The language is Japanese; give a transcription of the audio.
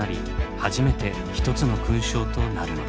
初めて１つの勲章となるのです。